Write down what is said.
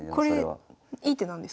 これいい手なんですか？